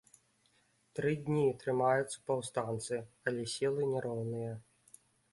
Тры дні трымаюцца паўстанцы, але сілы няроўныя.